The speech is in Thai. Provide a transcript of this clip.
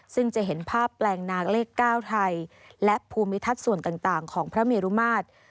ซึ่งจะเห็นภาพแปลงนาเลข๙ไทยและภูมิทัศน์ส่วนต่างของพระเมรุมาตร